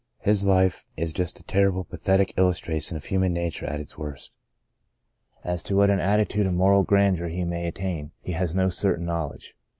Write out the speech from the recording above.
His life is just a terrible, pathetic illustration of human nature at its worst. As to what an attitude of moral grandeur he may attain, he has no certain knowledge.